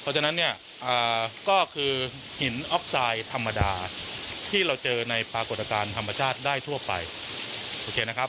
เพราะฉะนั้นเนี่ยก็คือหินออกไซด์ธรรมดาที่เราเจอในปรากฏการณ์ธรรมชาติได้ทั่วไปโอเคนะครับ